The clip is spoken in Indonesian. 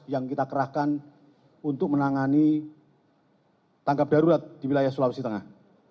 yang kita kerahkan untuk menangani tangkap darurat di wilayah sulawesi tengah